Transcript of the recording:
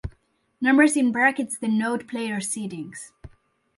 Numbers in brackets denote player seedings.